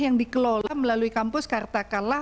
yang dikelola melalui kampus katakanlah